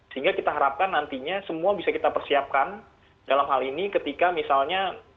sehingga kita harapkan nantinya semua bisa kita persiapkan dalam hal ini ketika misalnya